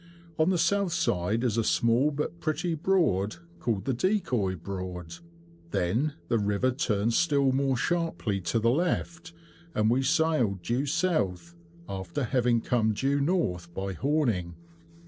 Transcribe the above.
On the south side is a small, but pretty Broad, called the Decoy Broad. Then the river turns still more sharply to the left, and we sailed due south, after having come due north by Horning.